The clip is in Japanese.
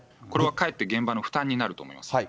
これはかえって現場の負担になると思います。